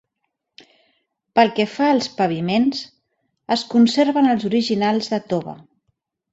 Pel que fa als paviments, es conserven els originals de tova.